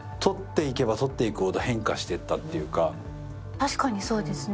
確かにそうですね。